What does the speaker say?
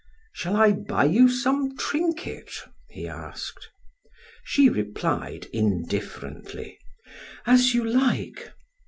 "Shall I buy you some trinket?" he asked. She replied indifferently: "As you like."